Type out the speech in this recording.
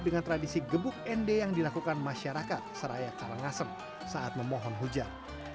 dengan tradisi gebuk ende yang dilakukan masyarakat saraya karangasem saat memohon hujan